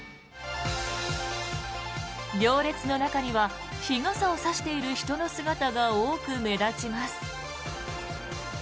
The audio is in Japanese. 行列の中には日傘を差している人の姿が多く目立ちます。